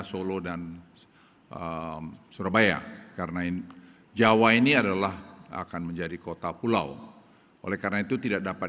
solo dan surabaya karena ini jawa ini adalah akan menjadi kota pulau oleh karena itu tidak dapat